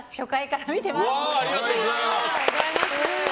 ありがとうございます！